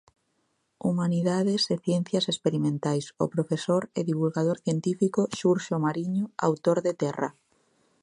Humanidades e ciencias experimentais O profesor e divulgador científico Xurxo Mariño, autor de Terra.